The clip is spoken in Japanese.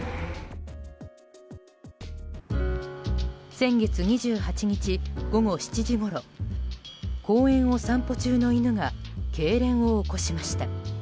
先月２８日午後７時ごろ公園を散歩中の犬がけいれんを起こしました。